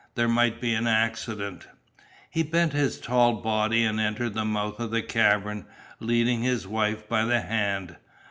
There might be an accident." He bent his tall body and entered the mouth of the cavern, leading his wife by the hand.